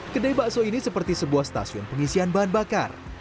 kedai bakso ini seperti sebuah stasiun pengisian bahan bakar